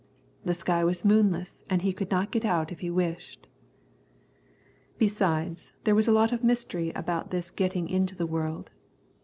The sky was moonless and he could not get out if he wished. Besides there was a lot of mystery about this getting into the world.